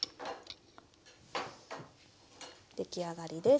出来上がりです。